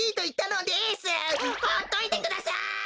ほっといてください！